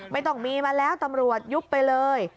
ไม่ต้องมีมาแล้วตำรวจยุบไปเลย